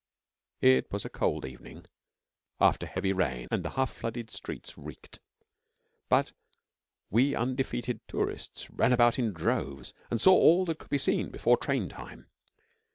It was a cold evening after heavy rain and the half flooded streets reeked. But we undefeated tourists ran about in droves and saw all that could be seen before train time.